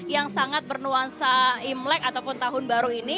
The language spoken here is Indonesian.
yang sangat bernuansa imlek ataupun tahun baru ini